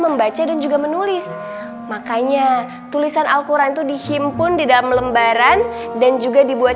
membaca dan juga menulis makanya tulisan al quran itu dihimpun di dalam lembaran dan juga dibuat